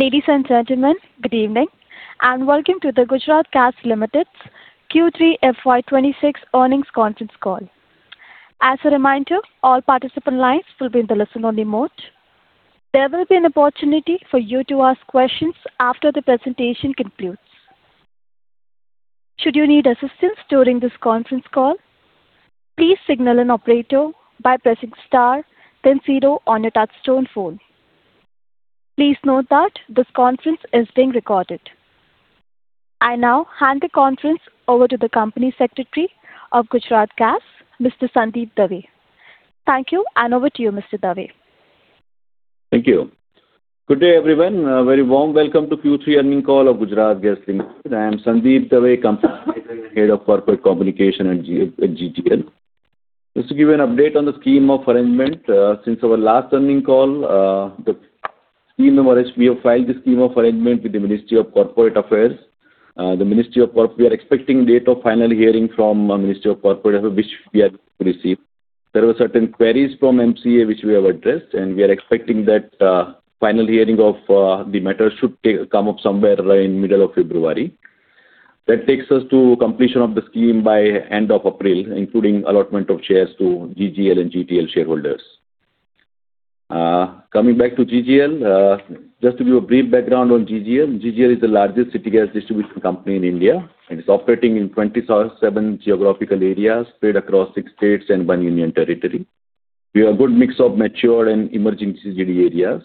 Ladies and gentlemen, good evening and welcome to the Gujarat Gas Limited's Q3 FY2026 earnings conference call. As a reminder, all participant lines will be in the listen-only mode. There will be an opportunity for you to ask questions after the presentation concludes. Should you need assistance during this conference call, please signal an operator by pressing star then zero on your touchtone phone. Please note that this conference is being recorded. I now hand the conference over to the Company Secretary of Gujarat Gas, Mr. Sandeep Dave. Thank you, and over to you, Mr. Dave. Thank you. Good day, everyone. A very warm welcome to Q3 earnings call of Gujarat Gas Limited. I am Sandeep Dave, Company Secretary and Head of Corporate Communication at GGL. Just to give you an update on the scheme of arrangement, since our last earnings call, the scheme in which we have filed the scheme of arrangement with the Ministry of Corporate Affairs, the Ministry of Corporate—we are expecting a date of final hearing from the Ministry of Corporate Affairs, which we are going to receive. There were certain queries from MCA which we have addressed, and we are expecting that final hearing of the matter should come up somewhere in the middle of February. That takes us to completion of the scheme by the end of April, including allotment of shares to GGL and GTL shareholders. Coming back to GGL, just to give a brief background on GGL, GGL is the largest city gas distribution company in India. It is operating in 27 geographical areas spread across six states and one union territory. We have a good mix of mature and emerging CGD areas.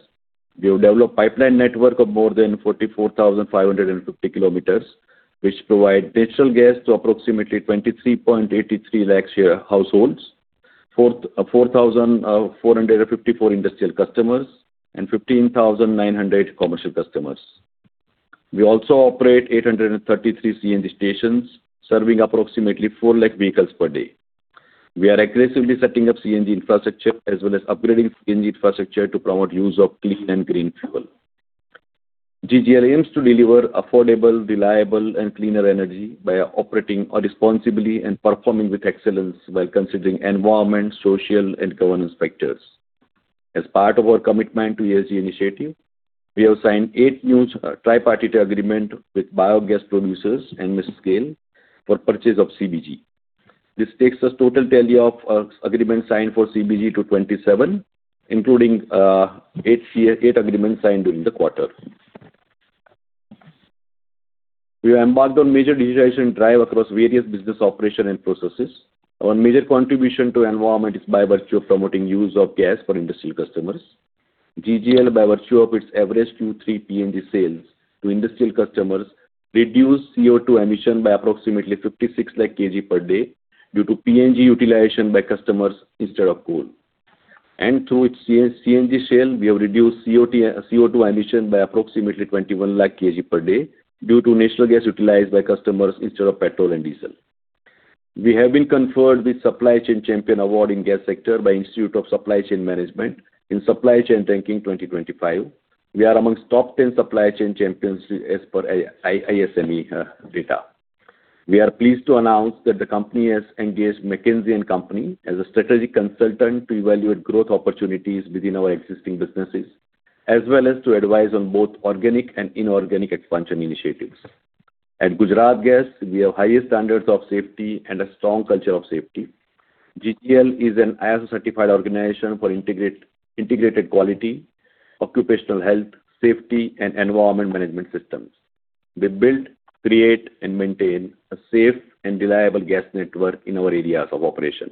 We have developed a pipeline network of more than 44,550 km, which provides natural gas to approximately 2.383 million households, 4,454 industrial customers, and 15,900 commercial customers. We also operate 833 CNG stations, serving approximately 400,000 vehicles per day. We are aggressively setting up CNG infrastructure as well as upgrading CNG infrastructure to promote the use of clean and green fuel. GGL aims to deliver affordable, reliable, and cleaner energy by operating responsibly and performing with excellence while considering environment, social, and governance factors. As part of our commitment to the ESG initiative, we have signed eight new tripartite agreements with biogas producers and mid-scale for purchase of CBG. This takes us to a total tally of agreements signed for CBG to 27, including eight agreements signed during the quarter. We are embarked on a major digitization drive across various business operations and processes. Our major contribution to the environment is by virtue of promoting the use of gas for industrial customers. GGL, by virtue of its average Q3 PNG sales to industrial customers, reduces CO2 emissions by approximately 5.6 million kg per day due to PNG utilization by customers instead of coal. Through its CNG sales, we have reduced CO2 emissions by approximately 2.1 million kg per day due to natural gas utilized by customers instead of petrol and diesel. We have been conferred with the Supply Chain Champion Award in the gas sector by the Institute of Supply Chain Management in the Supply Chain Ranking 2025. We are among the top 10 supply chain champions as per ISME data. We are pleased to announce that the company has engaged McKinsey & Company as a strategic consultant to evaluate growth opportunities within our existing businesses, as well as to advise on both organic and inorganic expansion initiatives. At Gujarat Gas, we have high standards of safety and a strong culture of safety. GGL is an ISO-certified organization for integrated quality, occupational health, safety, and environment management systems. We build, create, and maintain a safe and reliable gas network in our areas of operation.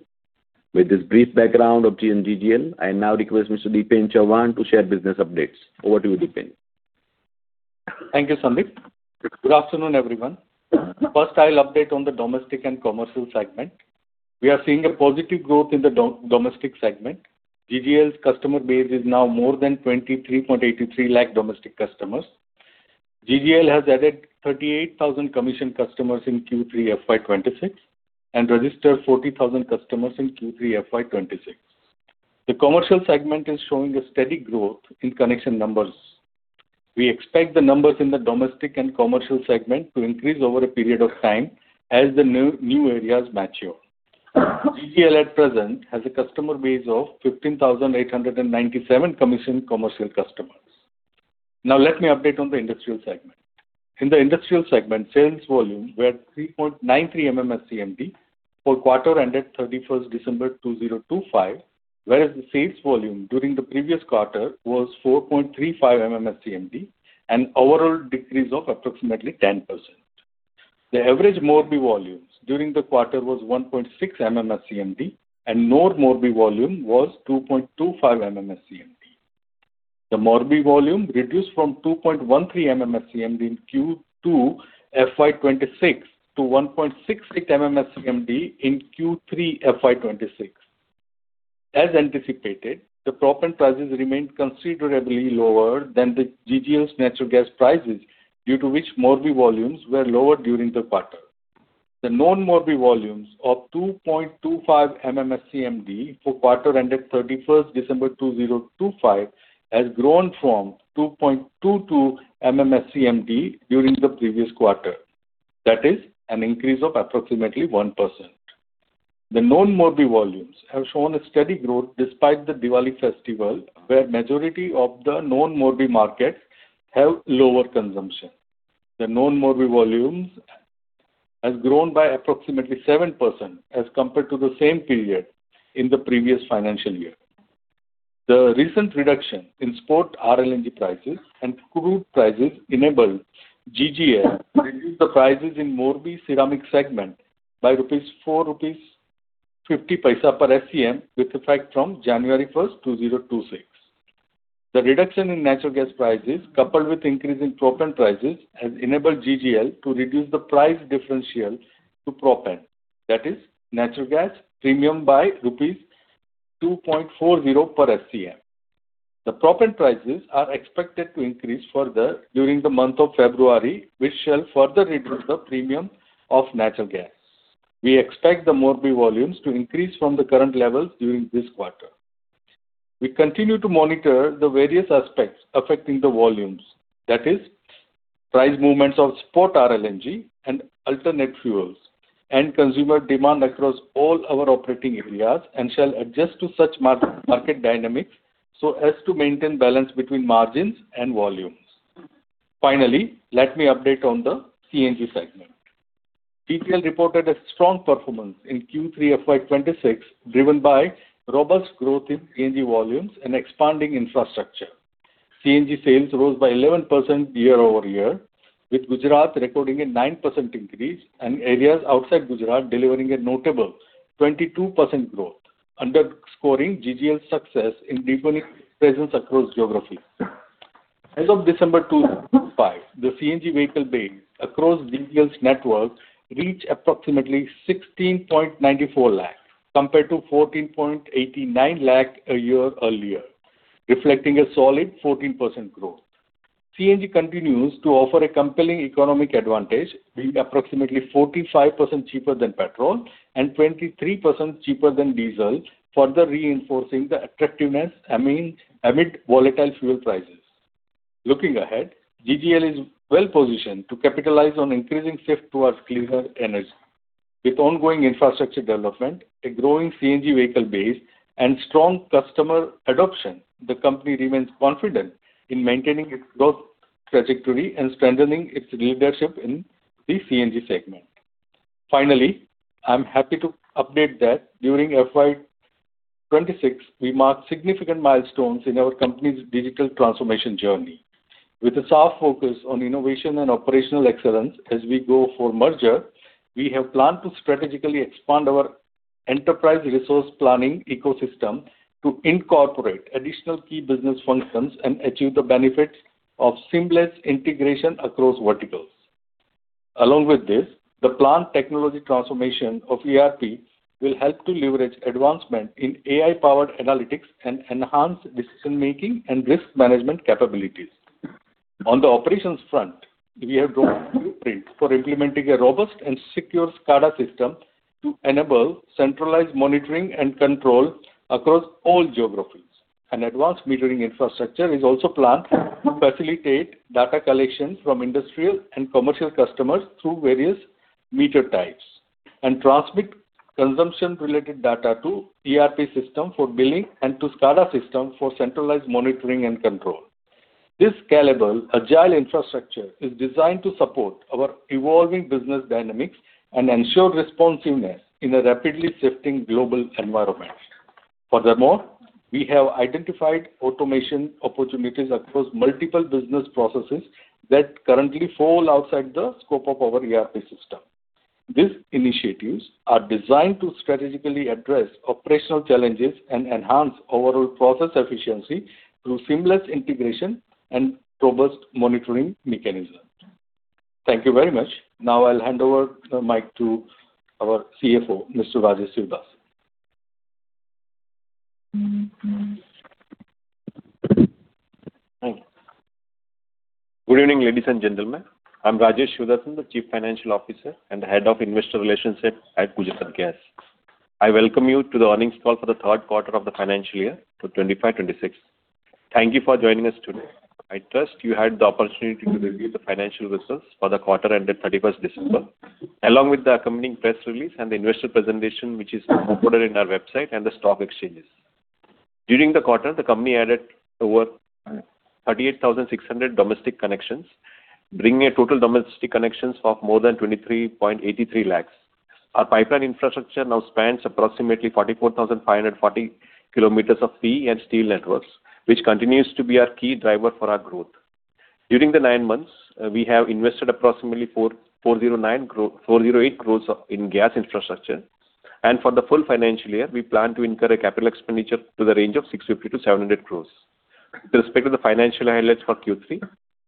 With this brief background of GGL, I now request Mr. Dipen Chauhan to share business updates. Over to you, Dipen. Thank you, Sandeep. Good afternoon, everyone. First, I'll update on the domestic and commercial segment. We are seeing a positive growth in the domestic segment. GGL's customer base is now more than 2.383 million domestic customers. GGL has added 38,000 commissioned customers in Q3 FY2026 and registered 40,000 customers in Q3 FY2026. The commercial segment is showing a steady growth in connection numbers. We expect the numbers in the domestic and commercial segment to increase over a period of time as the new areas mature. GGL, at present, has a customer base of 15,897 commissioned commercial customers. Now, let me update on the industrial segment. In the industrial segment, sales volume was 3.93 MMSCMD for the quarter ended 31 December 2025, whereas the sales volume during the previous quarter was 4.35 MMSCMD, an overall decrease of approximately 10%. The average Morbi volume during the quarter was 1.6 MMSCMD, and the normal Morbi volume was 2.25 MMSCMD. The Morbi volume reduced from 2.13 MMSCMD in Q2 FY26 to 1.68 MMSCMD in Q3 FY26. As anticipated, the propane prices remained considerably lower than GGL's natural gas prices, due to which Morbi volumes were lower during the quarter. The normal Morbi volume of 2.25 MMSCMD for the quarter ended 31st December 2025 has grown from 2.22 MMSCMD during the previous quarter. That is an increase of approximately 1%. The normal Morbi volumes have shown a steady growth despite the Diwali festival, where the majority of the normal Morbi markets have lower consumption. The normal Morbi volume has grown by approximately 7% as compared to the same period in the previous financial year. The recent reduction in export RLNG prices and crude prices enabled GGL to reduce the prices in the Morbi ceramic segment by 4.50 per SCM, with effect from January 1, 2026. The reduction in natural gas prices, coupled with the increase in propane prices, has enabled GGL to reduce the price differential to propane. That is natural gas premium by rupees 2.40 per SCM. The propane prices are expected to increase further during the month of February, which shall further reduce the premium of natural gas. We expect the Morbi volumes to increase from the current levels during this quarter. We continue to monitor the various aspects affecting the volumes. That is price movements of export RLNG and alternate fuels, and consumer demand across all our operating areas, and shall adjust to such market dynamics so as to maintain balance between margins and volumes. Finally, let me update on the CNG segment. GGL reported a strong performance in Q3 FY2026, driven by robust growth in CNG volumes and expanding infrastructure. CNG sales rose by 11% year over year, with Gujarat recording a 9% increase, and areas outside Gujarat delivering a notable 22% growth, underscoring GGL's success in deepening presence across geography. As of December 2025, the CNG vehicle base across GGL's network reached approximately 1.694 million compared to 1.489 million a year earlier, reflecting a solid 14% growth. CNG continues to offer a compelling economic advantage, being approximately 45% cheaper than petrol and 23% cheaper than diesel, further reinforcing the attractiveness amid volatile fuel prices. Looking ahead, GGL is well-positioned to capitalize on increasing shift towards cleaner energy. With ongoing infrastructure development, a growing CNG vehicle base, and strong customer adoption, the company remains confident in maintaining its growth trajectory and strengthening its leadership in the CNG segment. Finally, I'm happy to update that during FY 2026, we marked significant milestones in our company's digital transformation journey. With a soft focus on innovation and operational excellence as we go for merger, we have planned to strategically expand our enterprise resource planning ecosystem to incorporate additional key business functions and achieve the benefits of seamless integration across verticals. Along with this, the planned technology transformation of ERP will help to leverage advancements in AI-powered analytics and enhance decision-making and risk management capabilities. On the operations front, we have drawn blueprints for implementing a robust and secure SCADA system to enable centralized monitoring and control across all geographies. An advanced metering infrastructure is also planned to facilitate data collection from industrial and commercial customers through various meter types and transmit consumption-related data to the ERP system for billing and to the SCADA system for centralized monitoring and control. This scalable, agile infrastructure is designed to support our evolving business dynamics and ensure responsiveness in a rapidly shifting global environment. Furthermore, we have identified automation opportunities across multiple business processes that currently fall outside the scope of our ERP system. These initiatives are designed to strategically address operational challenges and enhance overall process efficiency through seamless integration and robust monitoring mechanisms. Thank you very much. Now, I'll hand over the mic to our CFO, Mr. Rajesh Sudarsan. Good evening, ladies and gentlemen. I'm Rajesh Sudarsan, the Chief Financial Officer and the Head of Investor Relationship at Gujarat Gas Limited. I welcome you to the earnings call for the third quarter of the financial year, for 2025-2026. Thank you for joining us today. I trust you had the opportunity to review the financial results for the quarter ended 31 December, along with the accompanying press release and the investor presentation, which is uploaded on our website and the stock exchanges. During the quarter, the company added over 38,600 domestic connections, bringing a total domestic connections of more than 2.383 million. Our pipeline infrastructure now spans approximately 44,540 km of steel and steel networks, which continues to be our key driver for our growth. During the nine months, we have invested approximately 408 crore in gas infrastructure, and for the full financial year, we plan to incur a capital expenditure in the range of 650-700 crore. With respect to the financial highlights for Q3,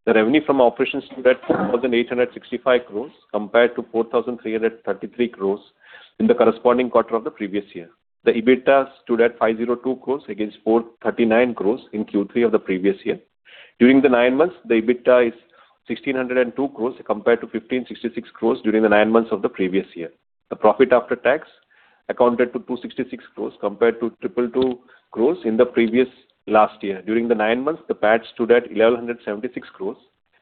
the revenue from operations stood at 4,865 crore compared to 4,333 crore in the corresponding quarter of the previous year. The EBITDA stood at 502 crore against 439 crore in Q3 of the previous year. During the nine months, the EBITDA is 1,602 crore compared to 1,566 crore during the nine months of the previous year. The profit after tax accounted to 266 crore compared to 222 crore in the previous last year. During the nine months, the PAT stood at 1,176 crore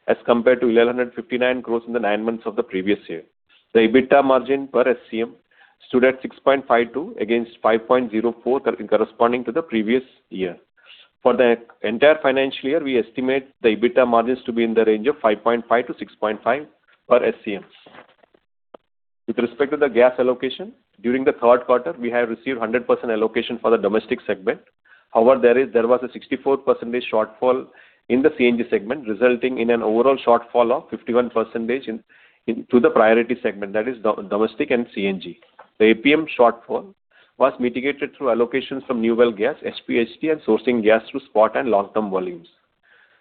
as compared to 1,159 crore in the nine months of the previous year. The EBITDA margin per SCM stood at 6.52 against 5.04, corresponding to the previous year. For the entire financial year, we estimate the EBITDA margins to be in the range of 5.5-6.5 per SCM. With respect to the gas allocation, during the third quarter, we have received 100% allocation for the domestic segment. However, there was a 64% shortfall in the CNG segment, resulting in an overall shortfall of 51% to the priority segment, that is domestic and CNG. The APM shortfall was mitigated through allocations from new well gas, HPHT, and sourcing gas through spot and long-term volumes.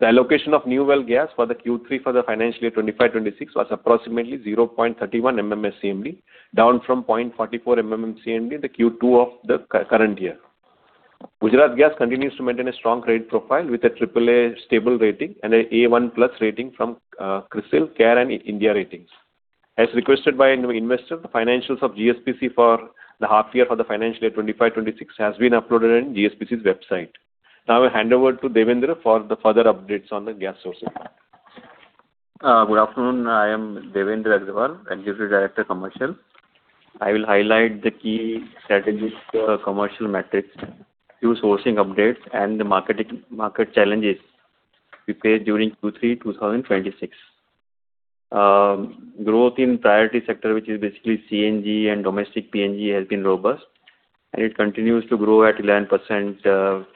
The allocation of new well gas for Q3 for the financial year 2025-2026 was approximately 0.31 MMSCMD, down from 0.44 MMSCMD in Q2 of the current year. Gujarat Gas continues to maintain a strong credit profile with a AAA stable rating and an A1 plus rating from CRISIL, CARE Ratings, and India Ratings and Research. As requested by investors, the financials of Gujarat State Petroleum Corporation for the half year for the financial year 2025-2026 have been uploaded on Gujarat State Petroleum Corporation's website. Now, I'll hand over to Devendra for the further updates on the gas sourcing. Good afternoon. I am Devendra Agarwal, Executive Director, Commercial. I will highlight the key strategic commercial metrics, fuel sourcing updates, and the market challenges we faced during Q3 2026. Growth in the priority sector, which is basically CNG and domestic PNG, has been robust, and it continues to grow at 11%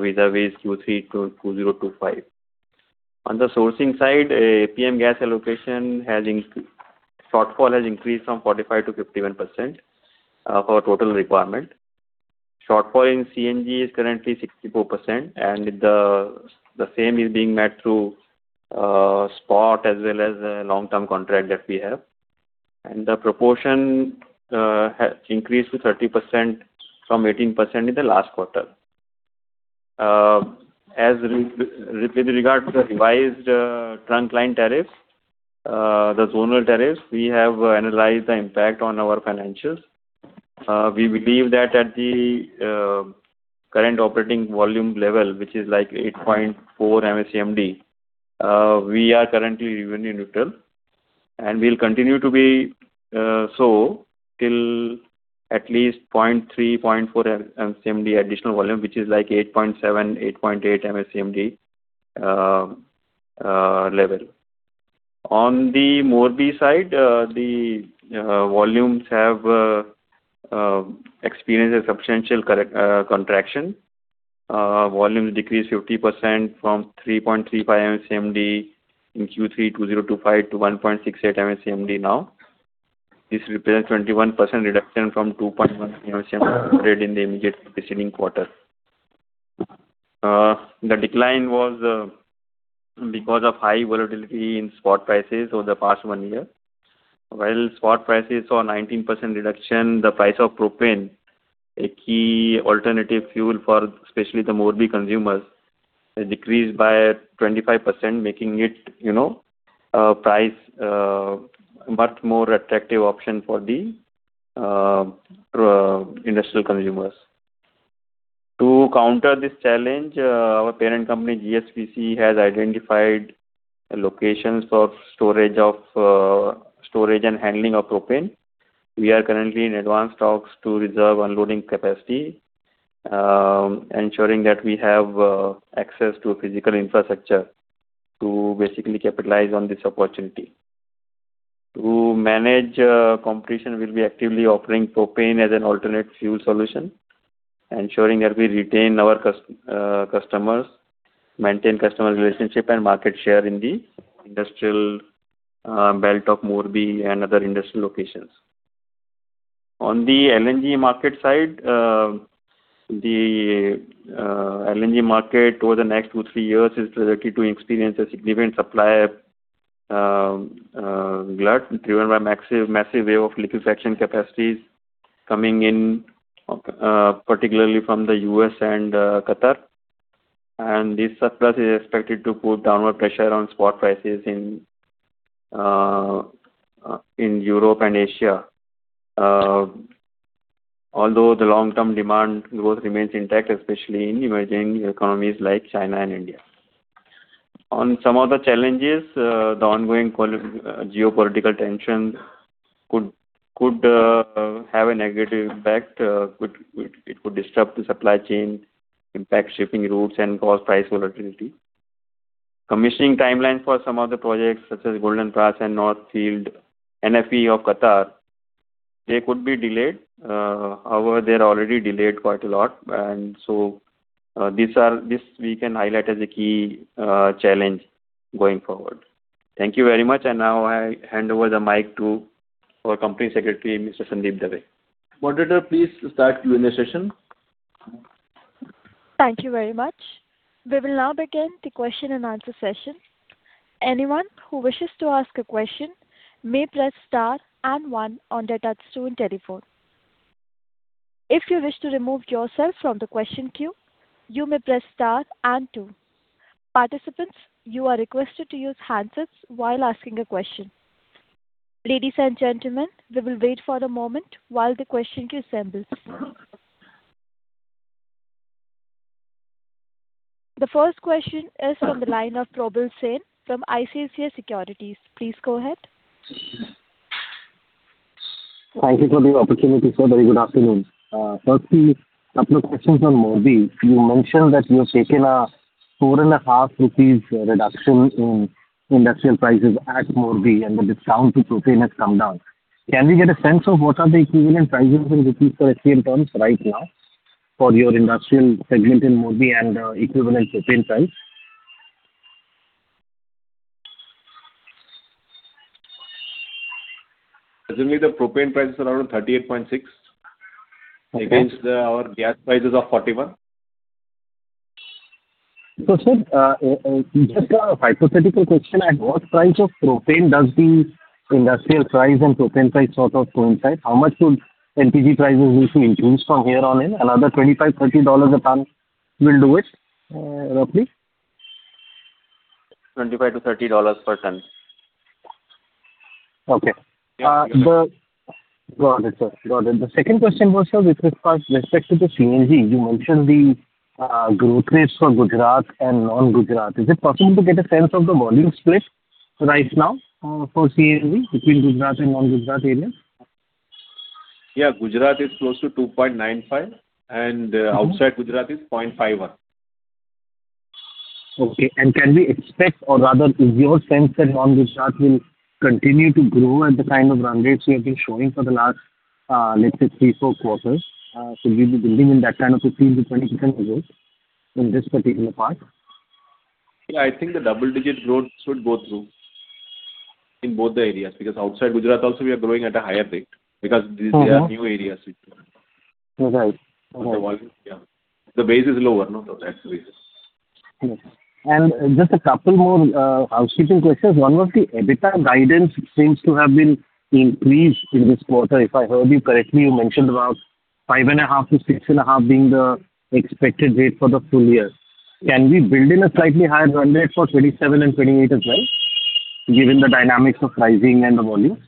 with our Q3 to 2025. On the sourcing side, APM gas allocation shortfall has increased from 45% to 51% of our total requirement. Shortfall in CNG is currently 64%, and the same is being met through spot as well as long-term contract that we have. The proportion has increased to 30% from 18% in the last quarter. As with regard to the revised trunk line tariffs, the zonal tariffs, we have analyzed the impact on our financials. We believe that at the current operating volume level, which is like 8.4 MMSCMD, we are currently revenue neutral, and we'll continue to be so till at least 0.3-0.4 MMSCMD additional volume, which is like 8.7-8.8 MMSCMD level. On the Morbi side, the volumes have experienced a substantial contraction. Volumes decreased 50% from 3.35 MMSCMD in Q3 2025 to 1.68 MMSCMD now. This represents a 21% reduction from 2.1 MMSCMD in the immediate preceding quarter. The decline was because of high volatility in spot prices over the past one year. While spot prices saw a 19% reduction, the price of propane, a key alternative fuel for especially the Morbi consumers, has decreased by 25%, making it a much more attractive option for the industrial consumers. To counter this challenge, our parent company, Gujarat State Petroleum Corporation, has identified locations for storage and handling of propane. We are currently in advanced talks to reserve unloading capacity, ensuring that we have access to physical infrastructure to basically capitalize on this opportunity. To manage competition, we'll be actively offering propane as an alternate fuel solution, ensuring that we retain our customers, maintain customer relationship, and market share in the industrial belt of Morbi and other industrial locations. On the LNG market side, the LNG market over the next two to three years is likely to experience a significant supply glut driven by a massive wave of liquefaction capacities coming in, particularly from the US and Qatar. This surplus is expected to put downward pressure on spot prices in Europe and Asia, although the long-term demand growth remains intact, especially in emerging economies like China and India. On some of the challenges, the ongoing geopolitical tension could have a negative impact. It could disrupt the supply chain, impact shipping routes, and cause price volatility. Commissioning timelines for some of the projects, such as Golden Pass and North Field NFE of Qatar, they could be delayed. However, they're already delayed quite a lot. This we can highlight as a key challenge going forward. Thank you very much. I hand over the mic to our Company Secretary, Mr. Sandeep Dave. Moderator, please start Q&A session. Thank you very much. We will now begin the question and answer session. Anyone who wishes to ask a question may press star and one on their touchscreen telephone. If you wish to remove yourself from the question queue, you may press star and two. Participants, you are requested to use handsets while asking a question. Ladies and gentlemen, we will wait for a moment while the question queue assembles. The first question is from the line of Probal Sen from ICICI Securities. Please go ahead. Thank you for the opportunity. Sir, very good afternoon. Firstly, a couple of questions on Morbi. You mentioned that you have taken a 4.5 rupees reduction in industrial prices at Morbi, and the discount to propane has come down. Can we get a sense of what are the equivalent prices in INR for SCM terms right now for your industrial segment in Morbi and equivalent propane price? Presently, the propane price is around 38.6. Against our gas prices of 41. Sir, just a hypothetical question. At what price of propane does the industrial price and propane price sort of coincide? How much would LPG prices need to increase from here on in? Another $25-$30 a ton will do it, roughly? $25-$30 per ton. Okay. Got it, sir. Got it. The second question was, sir, with respect to the CNG, you mentioned the growth rates for Gujarat and non-Gujarat. Is it possible to get a sense of the volume split right now for CNG between Gujarat and non-Gujarat areas? Yeah. Gujarat is close to 2.95, and outside Gujarat is 0.51. Okay. Can we expect, or rather, is your sense that non-Gujarat will continue to grow at the kind of run rates you have been showing for the last, let's say, three, four quarters? Should we be building in that kind of 15%-20% growth in this particular part? Yeah. I think the double-digit growth should go through in both the areas because outside Gujarat also, we are growing at a higher rate because these are new areas. Right. The base is lower, no? That's the reason. Yes. Just a couple more housekeeping questions. One was the EBITDA guidance seems to have been increased in this quarter. If I heard you correctly, you mentioned about five and a half to six and a half being the expected rate for the full year. Can we build in a slightly higher run rate for 2027 and 2028 as well, given the dynamics of rising and the volumes?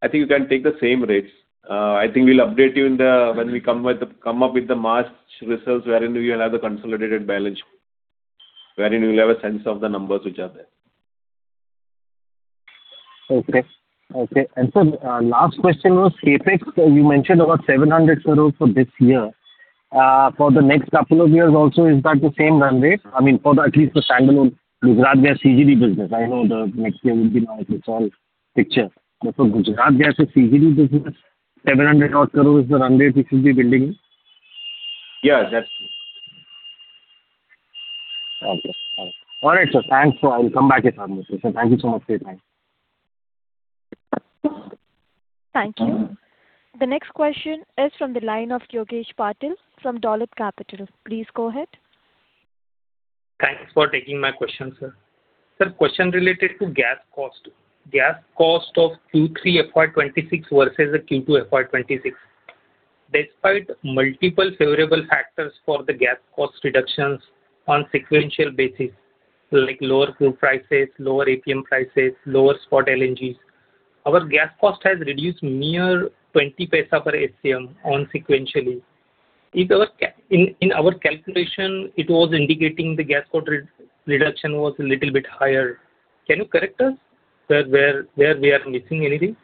I think you can take the same rates. I think we'll update you when we come up with the March results, wherein we will have the consolidated balance sheet, wherein we'll have a sense of the numbers which are there. Okay. Okay. Sir, last question was Apex. You mentioned about 700 crore for this year. For the next couple of years also, is that the same run rate? I mean, for at least the standalone Gujarat Gas CGD business. I know the next year would be now a small picture. For Gujarat Gas's CGD business, INR 700 crore is the run rate we should be building in? Yes. That's it. Okay. All right, sir. Thanks. I'll come back if I'm needed. Sir, thank you so much for your time. Thank you. The next question is from the line of Yogesh Patil from Dolat Capital. Please go ahead. Thanks for taking my question, sir. Sir, question related to gas cost. Gas cost of Q3 FY 2026 versus Q2 FY 2026. Despite multiple favorable factors for the gas cost reductions on sequential basis, like lower fuel prices, lower APM prices, lower spot LNGs, our gas cost has reduced mere 0.20 per SCM on sequentially. In our calculation, it was indicating the gas cost reduction was a little bit higher. Can you correct us? Where we are missing anything?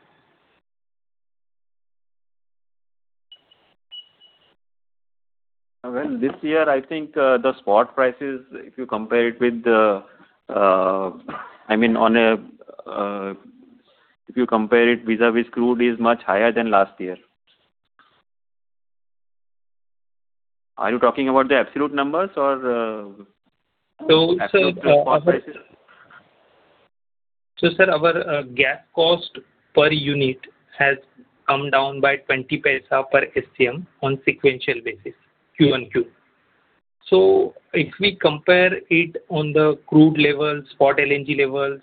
This year, I think the spot prices, if you compare it with the—I mean, if you compare it vis-à-vis crude, is much higher than last year. Are you talking about the absolute numbers or the spot prices? Sir, our gas cost per unit has come down by 0.20 per SCM on a sequential basis, Q1, Q. If we compare it on the crude levels, spot LNG levels,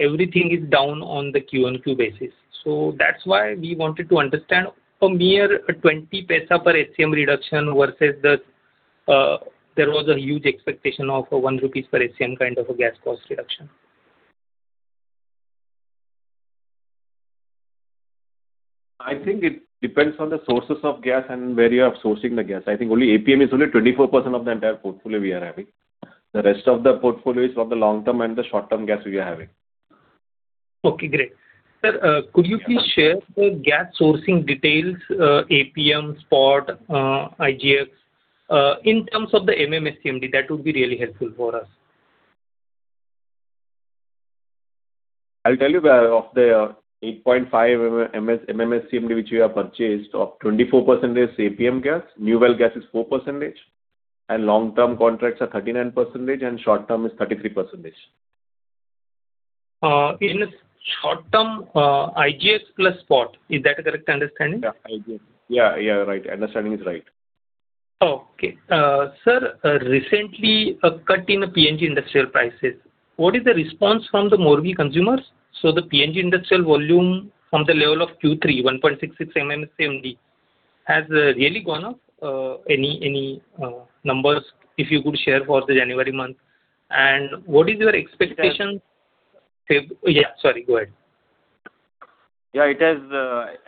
everything is down on the Q1, Q basis. That is why we wanted to understand a mere 0.20 per SCM reduction versus there was a huge expectation of a 1 rupees per SCM kind of a gas cost reduction. I think it depends on the sources of gas and where you are sourcing the gas. I think only APM is only 24% of the entire portfolio we are having. The rest of the portfolio is from the long-term and the short-term gas we are having. Okay. Great. Sir, could you please share the gas sourcing details, APM, spot, IGX, in terms of the MMSCMD? That would be really helpful for us. I'll tell you of the 8.5 MMSCMD which we have purchased, 24% is APM gas, new well gas is 4%, and long-term contracts are 39%, and short-term is 33%. In short-term, IGX plus spot. Is that a correct understanding? Yeah. Yeah. Right. Understanding is right. Okay. Sir, recently, a cut in PNG industrial prices. What is the response from the Morbi consumers? The PNG industrial volume from the level of Q3, 1.66 MMSCMD, has really gone up. Any numbers, if you could share, for the January month? What is your expectation? Yeah. Sorry. Go ahead. Yeah.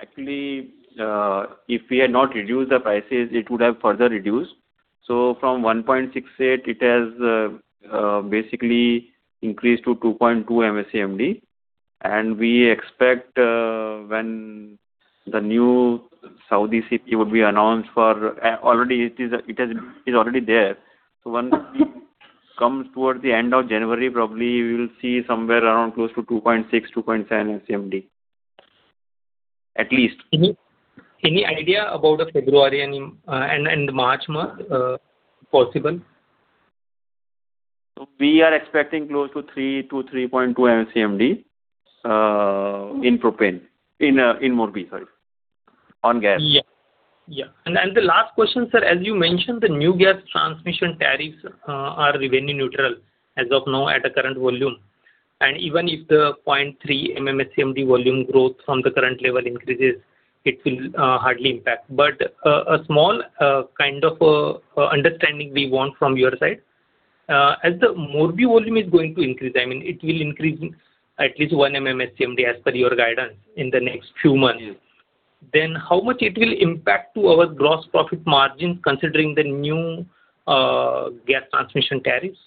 Actually, if we had not reduced the prices, it would have further reduced. From 1.68, it has basically increased to 2.2 MMSCMD. We expect when the new Saudi CP would be announced for—already, it is already there. When it comes towards the end of January, probably we will see somewhere around close to 2.6-2.7 MMSCMD, at least. Any idea about February and March month possible? We are expecting close to 3-3.2 MMSCMD in Morbi, sorry, on gas. Yeah. Yeah. The last question, sir, as you mentioned, the new gas transmission tariffs are revenue neutral as of now at the current volume. Even if the 0.3 MMSCMD volume growth from the current level increases, it will hardly impact. A small kind of understanding we want from your side. As the Morbi volume is going to increase, I mean, it will increase at least 1 MMSCMD as per your guidance in the next few months. How much will it impact our gross profit margin considering the new gas transmission tariffs?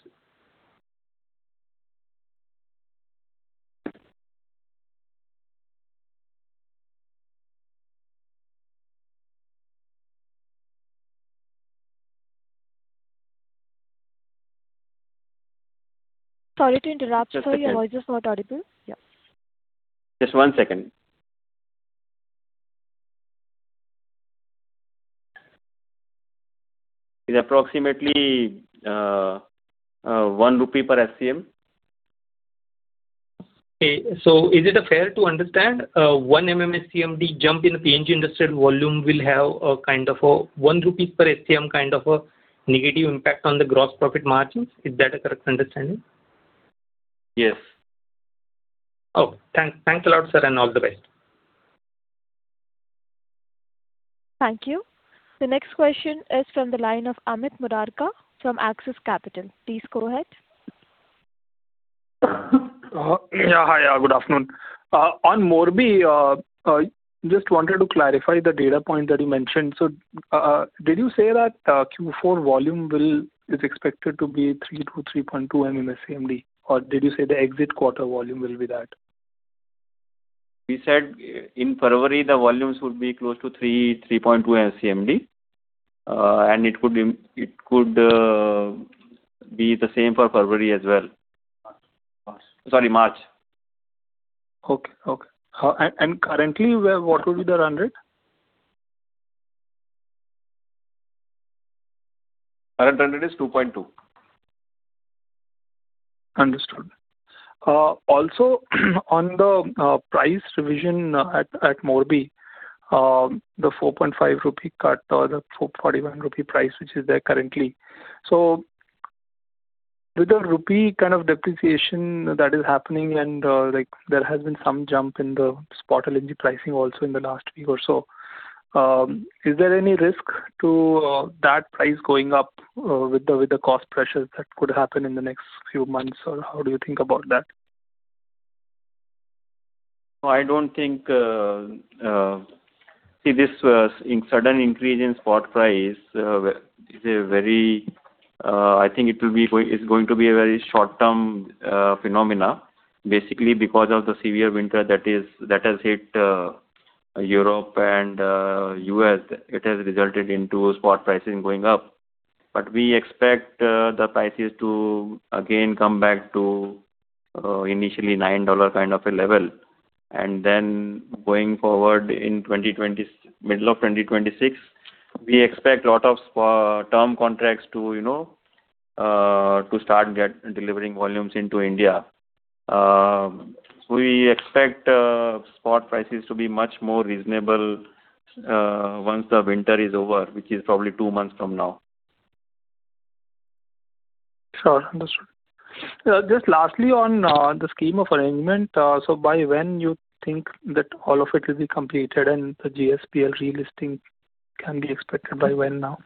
Sorry to interrupt, sir. Your voice is not audible. Yeah. Just one second. It's approximately INR 1 per SCM. Okay. Is it fair to understand 1 MMSCMD jump in the PNG industrial volume will have a kind of an 1 rupees per SCM kind of a negative impact on the gross profit margins? Is that a correct understanding? Yes. Okay. Thanks. Thanks a lot, sir, and all the best. Thank you. The next question is from the line of Amit Murarka from Axis Capital. Please go ahead. Yeah. Hi. Good afternoon. On Morbi, just wanted to clarify the data point that you mentioned. Did you say that Q4 volume is expected to be 3-3.2 MMSCMD? Or did you say the exit quarter volume will be that? We said in February, the volumes would be close to 3-3.2 MMSCMD. And it could be the same for February as well. Sorry, March. Okay. Okay. Currently, what would be the run rate? Current run rate is 2.2. Understood. Also, on the price revision at Morbi, the 4.5 rupee cut or the 41 rupee price, which is there currently. With the rupee kind of depreciation that is happening, and there has been some jump in the spot LNG pricing also in the last week or so, is there any risk to that price going up with the cost pressures that could happen in the next few months? How do you think about that? I don't think, see, this sudden increase in spot price is a very—I think it is going to be a very short-term phenomenon. Basically, because of the severe winter that has hit Europe and the U.S., it has resulted in spot prices going up. We expect the prices to again come back to initially $9 kind of a level. Going forward, in the middle of 2026, we expect a lot of term contracts to start delivering volumes into India. We expect spot prices to be much more reasonable once the winter is over, which is probably two months from now. Sure. Understood. Just lastly, on the scheme of arrangement, by when do you think that all of it will be completed and the GSPL relisting can be expected by when now?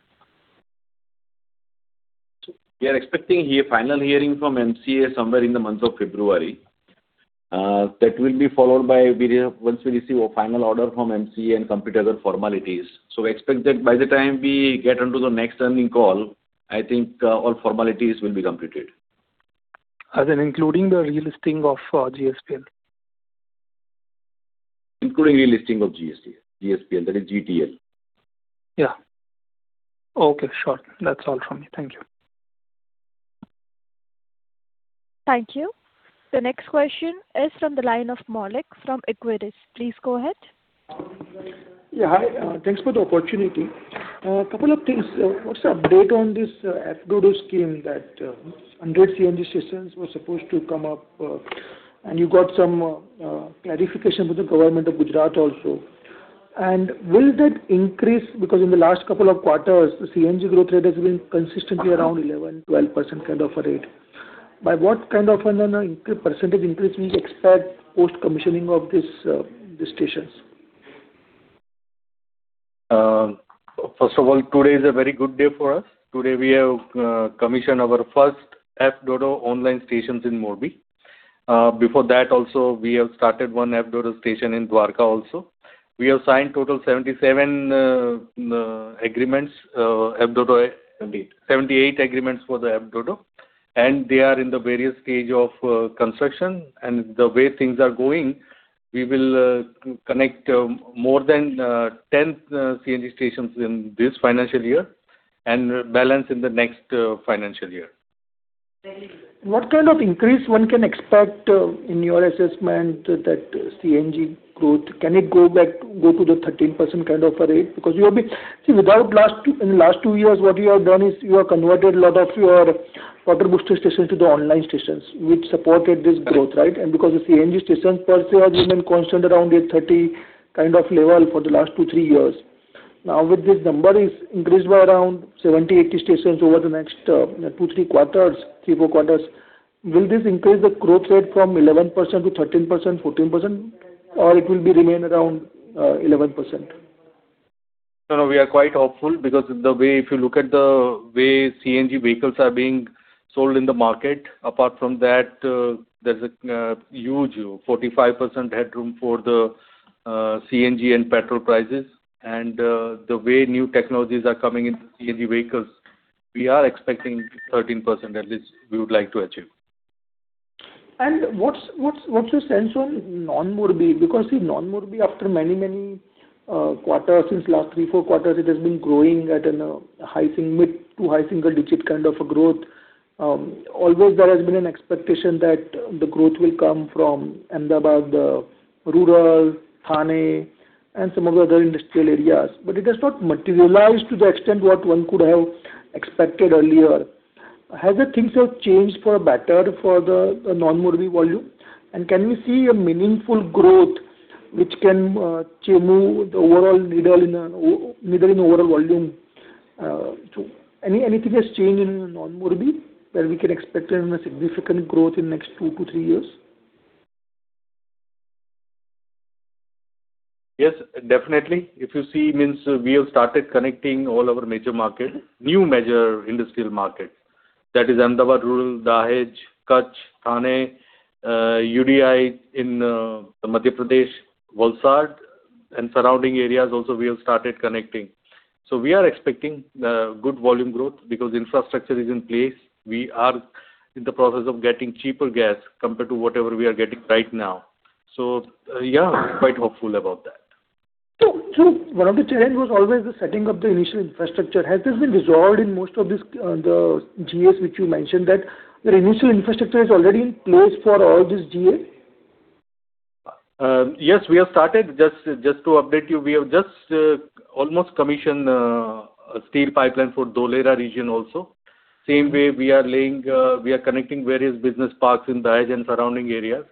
We are expecting a final hearing from MCA somewhere in the month of February. That will be followed by once we receive a final order from MCA and complete other formalities. Expect that by the time we get onto the next earning call, I think all formalities will be completed. As in including the relisting of GSPL? Including relisting of GSPL. That is GTL. Yeah. Okay. Sure. That's all from me. Thank you. Thank you. The next question is from the line of Maulik Patel from Equirus Securities. Please go ahead. Yeah. Hi. Thanks for the opportunity. A couple of things. What's the update on this FGDU scheme that 100 CNG systems were supposed to come up? You got some clarification with the government of Gujarat also. Will that increase? Because in the last couple of quarters, the CNG growth rate has been consistently around 11-12% kind of a rate. By what kind of a percentage increase will you expect post-commissioning of these stations? First of all, today is a very good day for us. Today, we have commissioned our first FGDU online stations in Morbi. Before that, also, we have started one FGDU station in Dwarka also. We have signed total 77 agreements, 78 agreements for the FGDU. They are in the various stage of construction. The way things are going, we will connect more than 10 CNG stations in this financial year and balance in the next financial year. What kind of increase one can expect in your assessment that CNG growth, can it go back to go to the 13% kind of a rate? Because you have been, see, in the last two years, what you have done is you have converted a lot of your water booster stations to the online stations, which supported this growth, right? Because the CNG stations per se have remained constant around a 30 kind of level for the last two, three years. Now, with this number, it's increased by around 70-80 stations over the next two, three quarters, three, four quarters. Will this increase the growth rate from 11% to 13%, 14%? Or will it remain around 11%? No, no. We are quite hopeful because if you look at the way CNG vehicles are being sold in the market, apart from that, there is a huge 45% headroom for the CNG and petrol prices. The way new technologies are coming into CNG vehicles, we are expecting 13%, at least we would like to achieve. What's your sense on non-Morbi? Because see, non-Morbi, after many, many quarters since the last three, four quarters, it has been growing at a high to high single-digit kind of a growth. Always, there has been an expectation that the growth will come from Ahmedabad, the rural Thane, and some of the other industrial areas. It has not materialized to the extent what one could have expected earlier. Have things changed for the better for the non-Morbi volume? Can we see a meaningful growth which can change the overall needle in overall volume? Has anything changed in non-Morbi that we can expect a significant growth in the next two to three years? Yes. Definitely. If you see, means we have started connecting all our major markets, new major industrial markets. That is Ahmedabad, rural Dahej, Kutch, Thane, UDI in Madhya Pradesh, Valsad, and surrounding areas also we have started connecting. We are expecting good volume growth because infrastructure is in place. We are in the process of getting cheaper gas compared to whatever we are getting right now. Yeah, quite hopeful about that. One of the challenges was always the setting of the initial infrastructure. Has this been resolved in most of the GAs which you mentioned that the initial infrastructure is already in place for all these GAs? Yes. We have started. Just to update you, we have just almost commissioned a steel pipeline for Dholera region also. Same way, we are laying, we are connecting various business parks in Dahej and surrounding areas.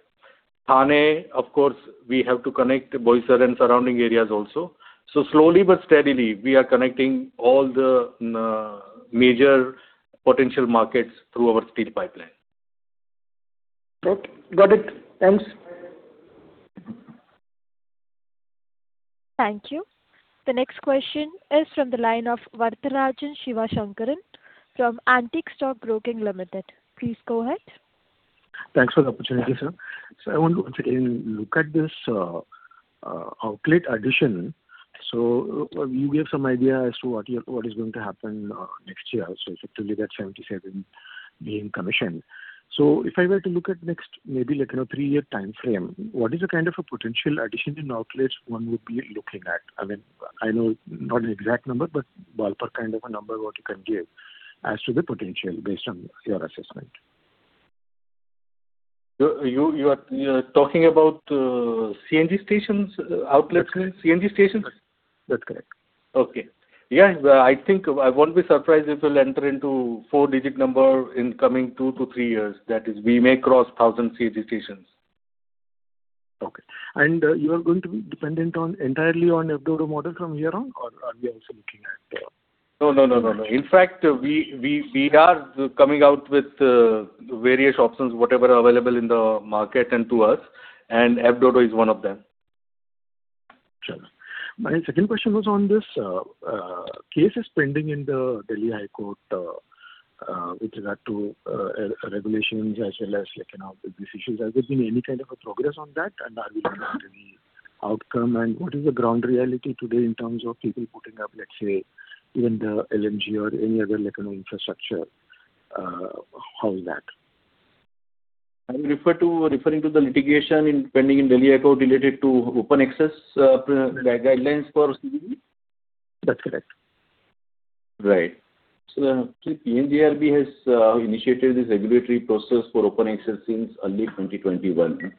Thane, of course, we have to connect Boisar and surrounding areas also. Slowly but steadily, we are connecting all the major potential markets through our steel pipeline. Okay. Got it. Thanks. Thank you. The next question is from the line of Varatharajan Sivasankaran from Antique Stock Broking. Please go ahead. Thanks for the opportunity, sir. I want to once again look at this outlet addition. You gave some idea as to what is going to happen next year. Effectively, that 77 being commissioned. If I were to look at next maybe three-year time frame, what is the kind of a potential addition in outlets one would be looking at? I mean, I know not an exact number, but ballpark kind of a number what you can give as to the potential based on your assessment. You are talking about CNG stations outlets? CNG stations? That's correct. Okay. Yeah. I think I won't be surprised if we'll enter into a four-digit number in coming two to three years. That is, we may cross 1,000 CNG stations. Okay. You are going to be dependent entirely on FGDU model from here on? Or are we also looking at? No, no. In fact, we are coming out with various options, whatever are available in the market and to us. FGDU is one of them. Sure. My second question was on this case is pending in the Delhi High Court, which is up to regulations as well as business issues. Has there been any kind of a progress on that? Are we looking at any outcome? What is the ground reality today in terms of people putting up, let's say, even the LNG or any other infrastructure? How is that? I'm referring to the litigation pending in Delhi High Court related to open access guidelines for CGD? That's correct. Right. PNGRB has initiated this regulatory process for open access since early 2021.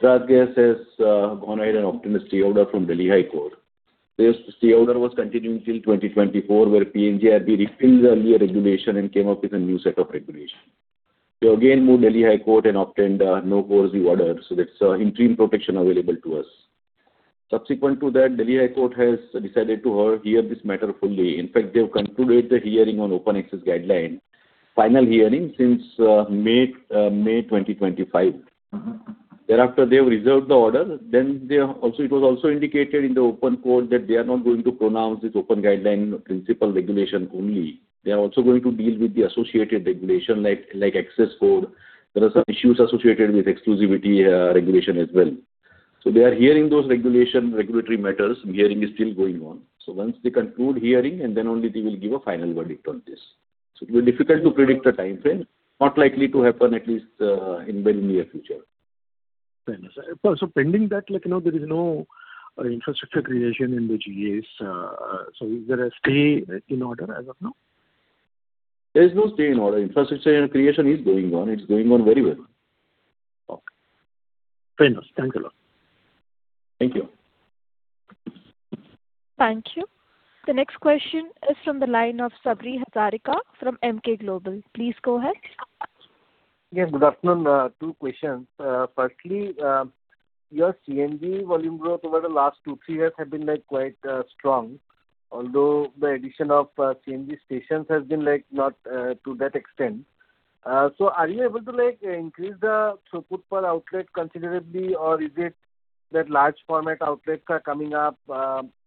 Torrent Gas has gone ahead and obtained a stay order from Delhi High Court. This stay order was continuing till 2024, where PNGRB refiled the earlier regulation and came up with a new set of regulations. They again moved Delhi High Court and obtained no-courtly order. That is interim protection available to us. Subsequent to that, Delhi High Court has decided to hear this matter fully. In fact, they have concluded the hearing on open access guideline, final hearing since May 2025. Thereafter, they have reserved the order. It was also indicated in the open court that they are not going to pronounce this open guideline principal regulation only. They are also going to deal with the associated regulation like access code. There are some issues associated with exclusivity regulation as well. They are hearing those regulatory matters. The hearing is still going on. Once they conclude hearing, then only they will give a final verdict on this. It will be difficult to predict a time frame. Not likely to happen at least in the very near future. Fair enough. Pending that, there is no infrastructure creation in the GAs. Is there a stay in order as of now? There is no stay in order. Infrastructure creation is going on. It's going on very well. Okay. Fair enough. Thank you a lot. Thank you. Thank you. The next question is from the line of Sabri Hazarika from Emkay Global. Please go ahead. Yes. Good afternoon. Two questions. Firstly, your CNG volume growth over the last two, three years has been quite strong. Although the addition of CNG stations has been not to that extent. Are you able to increase the throughput per outlet considerably? Is it that large format outlets are coming up?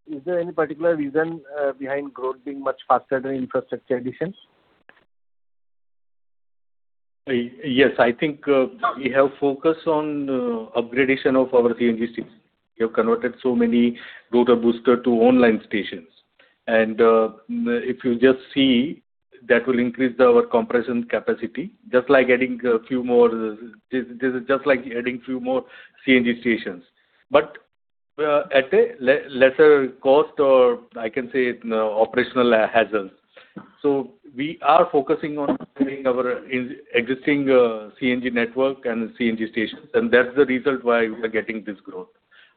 Is there any particular reason behind growth being much faster than infrastructure additions? Yes. I think we have focused on upgradation of our CNG systems. We have converted so many rotor boosters to online stations. If you just see, that will increase our compression capacity, just like adding a few more CNG stations, but at a lesser cost or I can say operational hassles. We are focusing on getting our existing CNG network and CNG stations, and that's the result why we are getting this growth.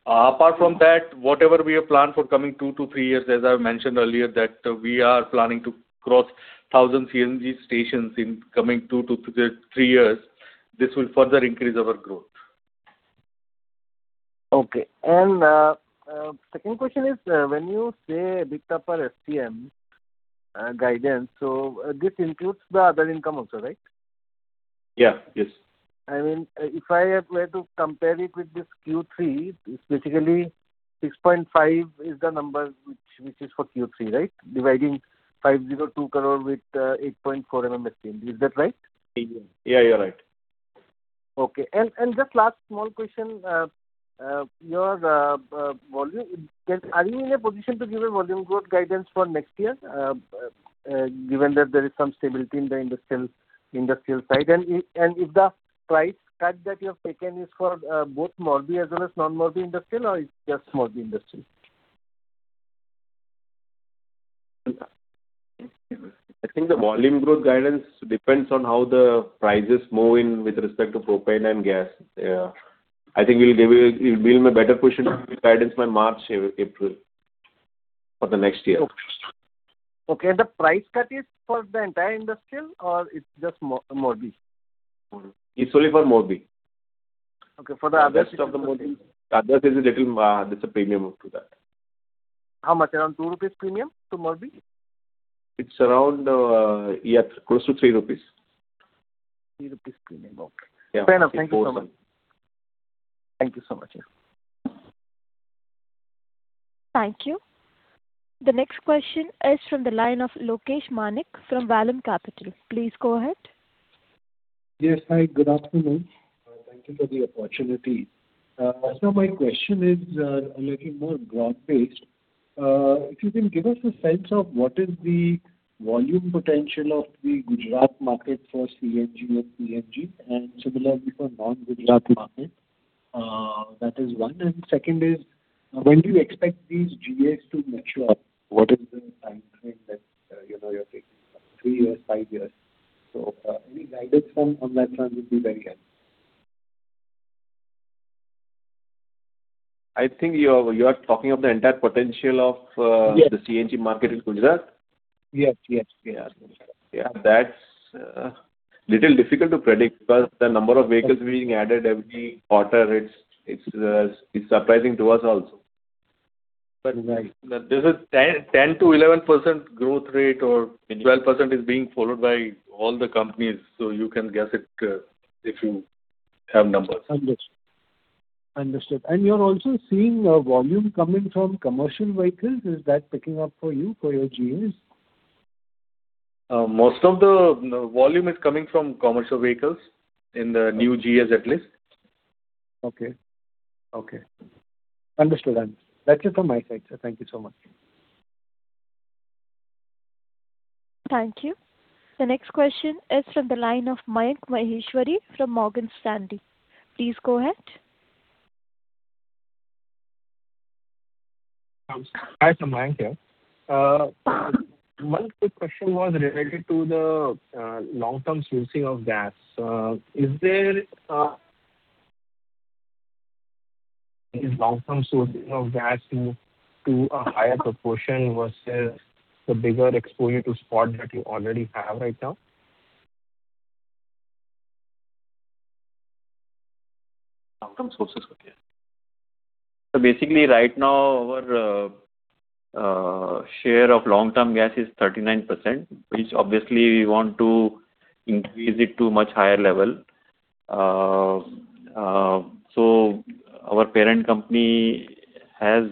Apart from that, whatever we have planned for coming two to three years, as I mentioned earlier, we are planning to cross 1,000 CNG stations in coming two to three years. This will further increase our growth. Okay. Second question is, when you say big topper STM guidance, this includes the other income also, right? Yeah. Yes. I mean, if I were to compare it with this Q3, it's basically 6.5 is the number which is for Q3, right? Dividing 502 crore with 8.4 SCM. Is that right? Yeah. Yeah. You're right. Okay. Just last small question. Are you in a position to give a volume growth guidance for next year given that there is some stability in the industrial side? If the price cut that you have taken is for both Morbi as well as non-Morbi industrial, or is it just Morbi industrial? I think the volume growth guidance depends on how the prices move in with respect to propane and gas. I think we'll be able to give you a better position guidance by March, April for the next year. Okay. The price cut is for the entire industrial, or it's just Morbi? It's only for Morbi. Okay. For the other stuff? The rest of the Morbi, the other is a little, there's a premium to that. How much? Around 2 rupees premium to Morbi? It's around close to 3 rupees. 3 premium. Okay. Yeah. Fair enough. Thank you so much. Thank you so much. Thank you. The next question is from the line of Lokesh Manik from Vallum Capital. Please go ahead. Yes. Hi. Good afternoon. Thank you for the opportunity. My question is a little more broad-based. If you can give us a sense of what is the volume potential of the Gujarat market for CNG and PNG and similarly for non-Gujarat market? That is one. Second is, when do you expect these GAs to mature? What is the time frame that you're thinking of? Three years, five years? Any guidance on that front would be very helpful. I think you are talking of the entire potential of the CNG market in Gujarat? Yes. Yes. Yeah. Yeah. That's a little difficult to predict because the number of vehicles being added every quarter, it's surprising to us also. But right. There's a 10-11% growth rate or 12% is being followed by all the companies. You can guess it if you have numbers. Understood. Understood. You are also seeing volume coming from commercial vehicles. Is that picking up for you for your GAs? Most of the volume is coming from commercial vehicles in the new GAs at least. Okay. Okay. Understood. That's it from my side. Thank you so much. Thank you. The next question is from the line of Mayank Maheshwari from Morgan Stanley. Please go ahead. Hi. Mayank here. One quick question was related to the long-term sourcing of gas. Is long-term sourcing of gas to a higher proportion versus the bigger exposure to spot that you already have right now? Long-term sources of gas. Basically, right now, our share of long-term gas is 39%, which obviously we want to increase it to a much higher level. Our parent company has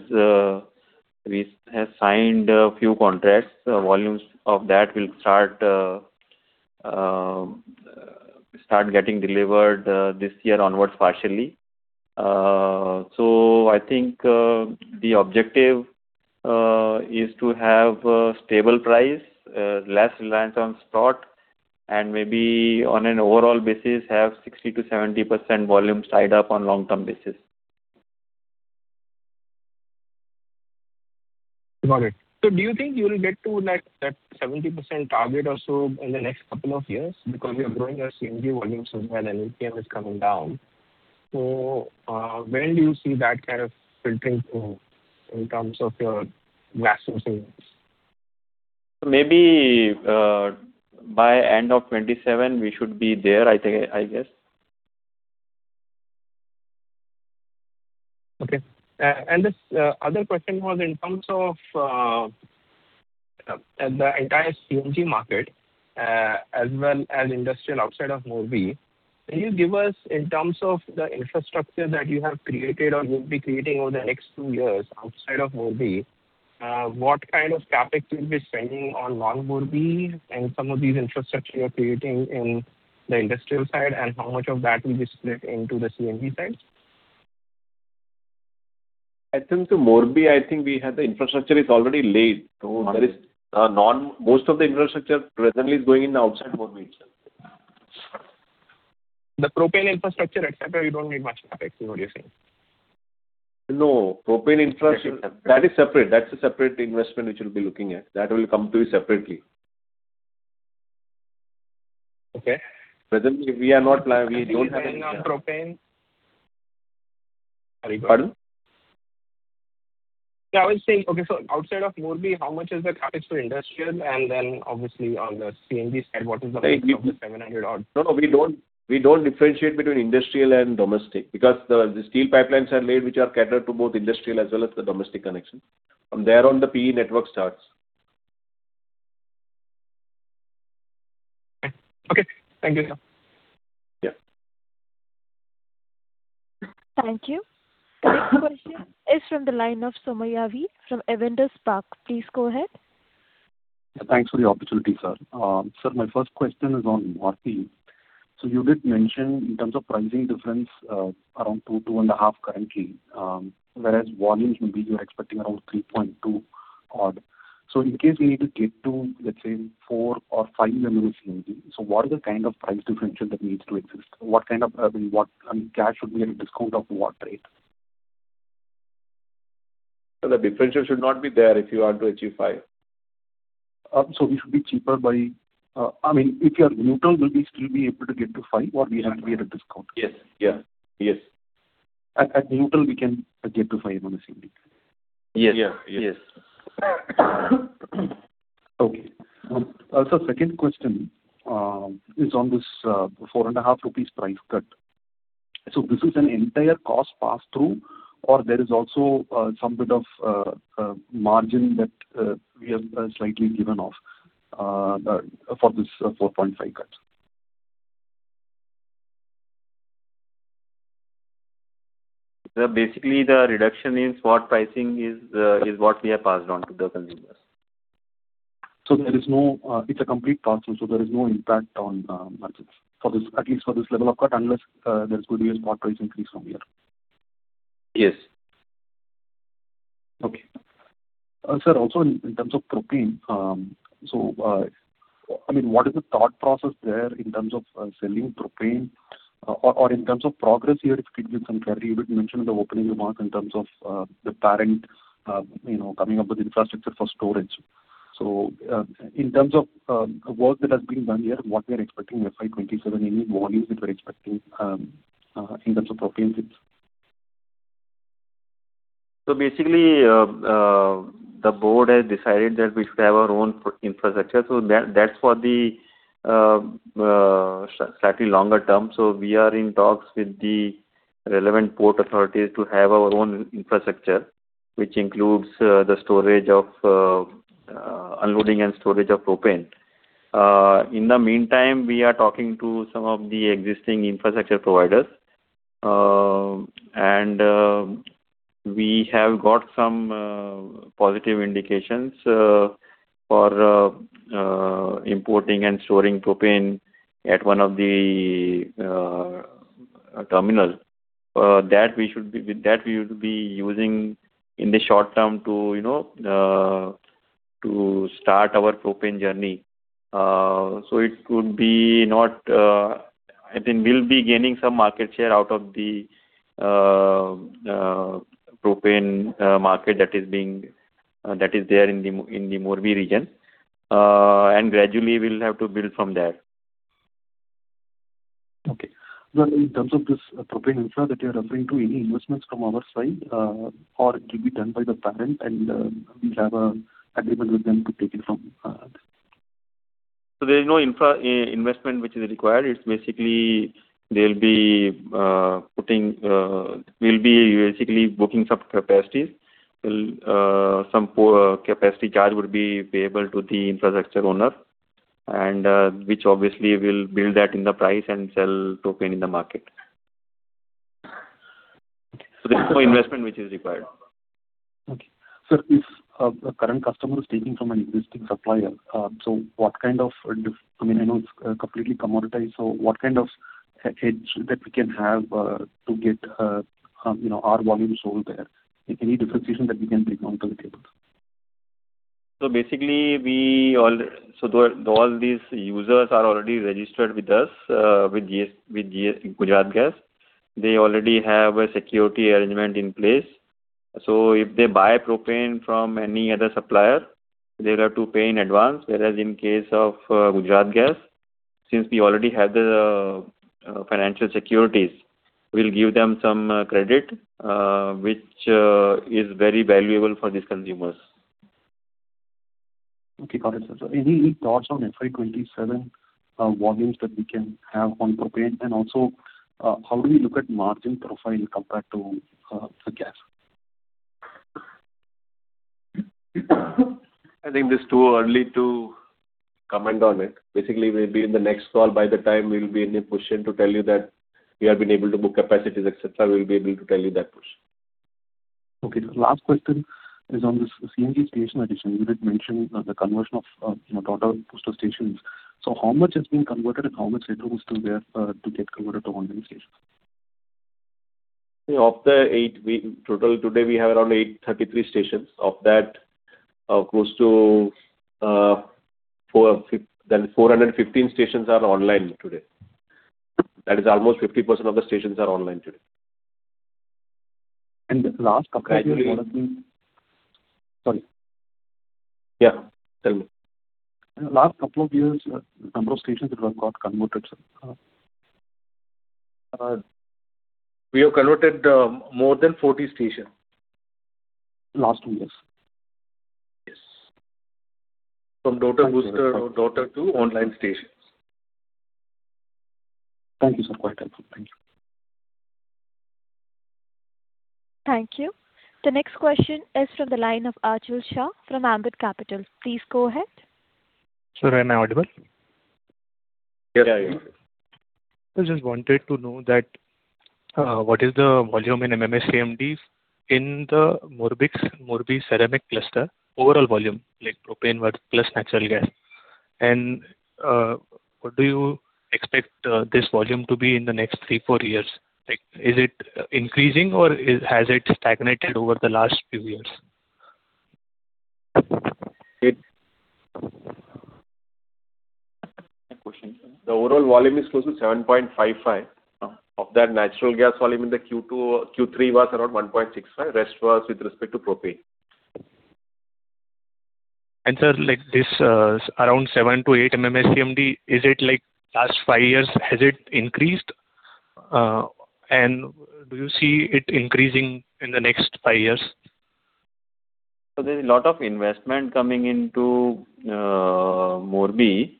signed a few contracts. Volumes of that will start getting delivered this year onwards partially. I think the objective is to have a stable price, less reliance on spot, and maybe on an overall basis have 60-70% volume tied up on long-term basis. Got it. Do you think you will get to that 70% target or so in the next couple of years? Because we are growing our CNG volume so far and LNG is coming down. When do you see that kind of filtering in terms of your gas sourcing? Maybe by end of 2027, we should be there, I guess. Okay. This other question was in terms of the entire CNG market as well as industrial outside of Morbi. Can you give us in terms of the infrastructure that you have created or you'll be creating over the next two years outside of Morbi, what kind of CapEx you'll be spending on non-Morbi and some of these infrastructure you're creating in the industrial side and how much of that will be split into the CNG side? I think the Morbi, I think we have the infrastructure is already laid. Most of the infrastructure presently is going in the outside Morbi itself. The propane infrastructure, etc., you don't need much CapEx is what you're saying? No. That is separate. That's a separate investment which we'll be looking at. That will come to you separately. Okay. Presently, we are not planning. We don't have any CapEx. Propane? Pardon? Yeah. I was saying, okay, outside of Morbi, how much is the CapEx for industrial? And then obviously on the CNG side, what is the value of the 700 odd? No, no. We don't differentiate between industrial and domestic because the steel pipelines are laid which are catered to both industrial as well as the domestic connection. From there, on the PE network starts. Okay. Okay. Thank you, sir. Yeah. Thank you. The next question is from the line of Somaiah Valliyappan from Avendus Spark. Please go ahead. Thanks for the opportunity, sir. Sir, my first question is on Morbi. You did mention in terms of pricing difference around 2, 2 and a half currently, whereas volumes maybe you're expecting around 3.2 odd. In case we need to get to, let's say, 4 or 5 CNG, what is the kind of price differential that needs to exist? What kind of, I mean, gas should be at a discount of what rate? The differential should not be there if you want to achieve 5. We should be cheaper by, I mean, if you are neutral, will we still be able to get to 5 or we have to be at a discount? Yes. Yes. Yes. At neutral, we can get to five CNG? Yes. Yeah. Yes. Yes. Okay. Also, second question is on this 4.5 rupees price cut. Is this an entire cost pass-through or is there also some bit of margin that we have slightly given off for this 4.5 cut? Basically, the reduction in spot pricing is what we have passed on to the consumers. There is no, it's a complete pass-through. There is no impact on margins for this, at least for this level of cut unless there's going to be a spot price increase from here. Yes. Okay. Sir, also in terms of propane, I mean, what is the thought process there in terms of selling propane or in terms of progress here if you could give some clarity? You did mention in the opening remark in terms of the parent coming up with infrastructure for storage. In terms of work that has been done here, what we are expecting FY 2027, any volumes that we are expecting in terms of propane? Basically, the board has decided that we should have our own infrastructure. That is for the slightly longer term. We are in talks with the relevant port authorities to have our own infrastructure, which includes the unloading and storage of propane. In the meantime, we are talking to some of the existing infrastructure providers. We have got some positive indications for importing and storing propane at one of the terminals that we should be using in the short term to start our propane journey. I think we will be gaining some market share out of the propane market that is there in the Morbi region. Gradually, we will have to build from there. Okay. In terms of this propane infra that you're referring to, any investments from our side or it will be done by the parent and we'll have an agreement with them to take it from? There is no infra investment which is required. It's basically they'll be putting, we'll be basically booking some capacities. Some capacity charge would be payable to the infrastructure owner, which obviously will build that in the price and sell propane in the market. Okay. There is no investment which is required. Okay. Sir, if a current customer is taking from an existing supplier, so what kind of, I mean, I know it's completely commoditized. So what kind of hedge that we can have to get our volume sold there? Any differentiation that we can bring onto the table? Basically, all these users are already registered with us, with Gujarat Gas. They already have a security arrangement in place. If they buy propane from any other supplier, they'll have to pay in advance. Whereas in case of Gujarat Gas, since we already have the financial securities, we'll give them some credit which is very valuable for these consumers. Okay. Got it, sir. Any thoughts on FY 2027 volumes that we can have on propane? Also, how do we look at margin profile compared to the gas? I think it's too early to comment on it. Basically, maybe in the next call, by the time we'll be in a position to tell you that we have been able to book capacities, etc., we'll be able to tell you that much. Okay. Last question is on this CNG station addition. You did mention the conversion of booster stations. How much has been converted and how much headroom is still there to get converted to online stations? Of the total today, we have around 33 stations. Of that, close to 415 stations are online today. That is almost 50% of the stations are online today. The last couple of years, sorry. Yeah. Tell me. Last couple of years, the number of stations that have got converted, sir? We have converted more than 40 stations. Last two years. Yes. From booster to online stations. Thank you, sir. Quite helpful. Thank you. Thank you. The next question is from the line of Dhvil Shah from Ambit Capital. Please go ahead. Sir, am I available? Yes. Yeah. You are. I just wanted to know that what is the volume in MMSCMDs in the Morbi ceramic cluster overall volume, like propane plus natural gas? And what do you expect this volume to be in the next three, four years? Is it increasing or has it stagnated over the last few years? The overall volume is close to 7.55. Of that, natural gas volume in the Q2, Q3 was around 1.65. Rest was with respect to propane. Sir, this around 7-8 MMSCMD, is it like last five years, has it increased? Do you see it increasing in the next five years? There is a lot of investment coming into Morbi.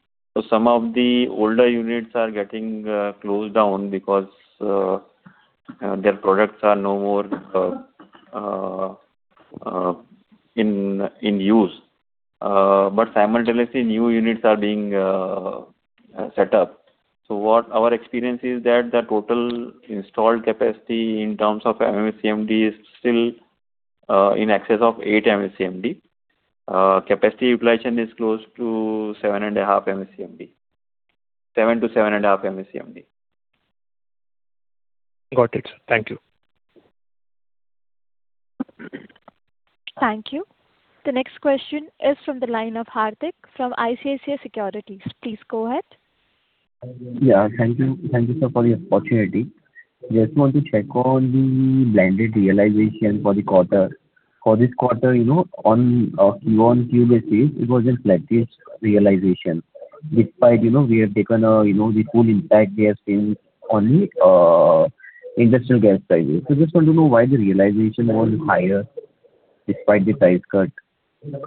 Some of the older units are getting closed down because their products are no more in use. Simultaneously, new units are being set up. What our experience is that the total installed capacity in terms of MMSCMD is still in excess of 8 MMSCMD. Capacity utilization is close to 7.5 MMSCMD, 7 to 7.5 MMSCMD. Got it, sir. Thank you. Thank you. The next question is from the line of Hardik from ICICI Securities. Please go ahead. Yeah. Thank you, sir, for the opportunity. Just want to check on the blended realization for the quarter. For this quarter, on Q1, Q2 basis, it was a flattish realization. Despite we have taken the full impact we have seen on the industrial gas prices. Just want to know why the realization was higher despite the price cut. The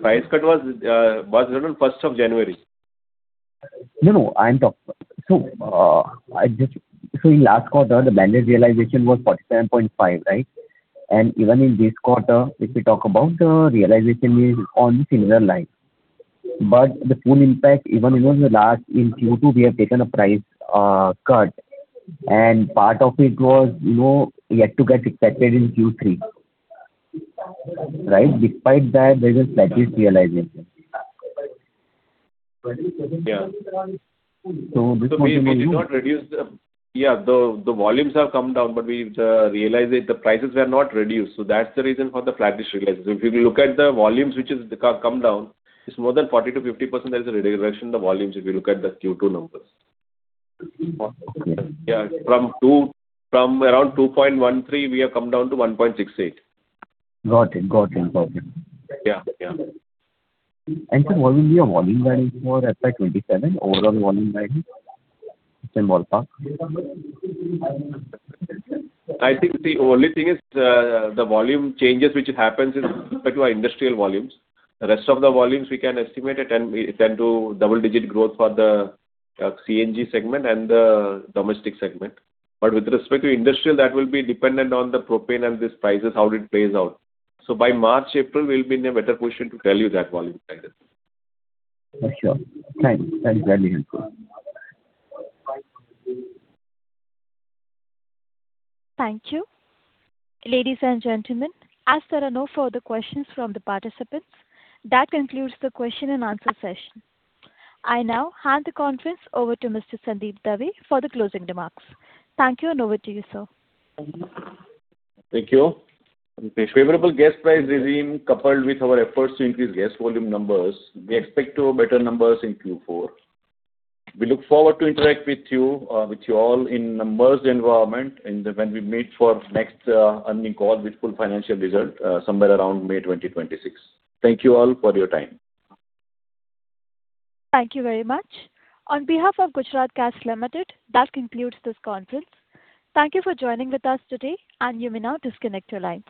price cut was done on 1st of January. No, no. In last quarter, the blended realization was 47.5, right? Even in this quarter, if we talk about the realization, it is on the similar line. The full impact, even in the last in Q2, we have taken a price cut. Part of it was yet to get accepted in Q3, right? Despite that, there is a flattish realization. Yeah. This would mean we did not reduce the, yeah, the volumes have come down, but the prices were not reduced. That is the reason for the flattish realization. If you look at the volumes which have come down, it is more than 40-50%. There is a reduction in the volumes if you look at the Q2 numbers. Okay. Yeah. From around 2.13, we have come down to 1.68. Got it. Got it. Okay. Yeah. Yeah. Sir, what will be your volume value for FY 2027, overall volume value in ballpark? I think the only thing is the volume changes which happens with respect to our industrial volumes. The rest of the volumes, we can estimate a 10%-double-digit growth for the CNG segment and the domestic segment. With respect to industrial, that will be dependent on the propane and these prices, how it plays out. By March, April, we will be in a better position to tell you that volume value. For sure. Thanks. That is very helpful. Thank you. Ladies and gentlemen, as there are no further questions from the participants, that concludes the question and answer session. I now hand the conference over to Mr. Sandeep Dave for the closing remarks. Thank you, and over to you, sir. Thank you. Favorable gas price regime coupled with our efforts to increase gas volume numbers, we expect better numbers in Q4. We look forward to interacting with you all in numbers environment when we meet for next earning call with full financial result somewhere around May 2026. Thank you all for your time. Thank you very much. On behalf of Gujarat Gas Limited, that concludes this conference. Thank you for joining with us today, and you may now disconnect your lines.